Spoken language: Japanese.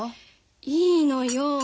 いいのよ。